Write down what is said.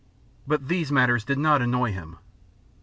But these matters did not annoy him.